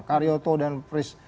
karyoto dan pris